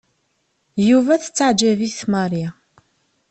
Yuba tettaɛǧab-it Mary.